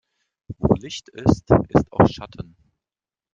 Wo Licht ist, ist auch Schatten.